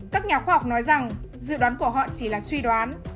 các nhà khoa học nói rằng dự đoán của họ chỉ là suy đoán